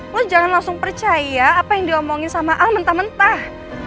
lo jangan langsung percaya apa yang diomongin sama a mentah mentah